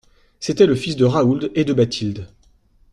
C'était le fils de Raoul et de Bathilde.